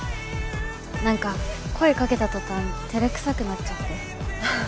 何か声かけた途端照れくさくなっちゃって。